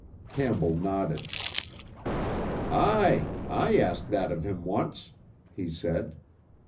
Campbell nodded. "Aye, I asked that of him once," he said.